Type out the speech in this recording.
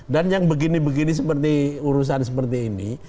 dan yang begini begini urusan seperti ini